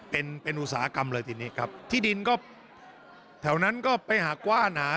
เป็นเป็นอุตสาหกรรมเลยทีนี้ครับที่ดินก็แถวนั้นก็ไปหากว้างหนา